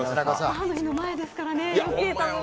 母の日の前ですからね。